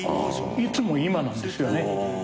いつも今なんですよね。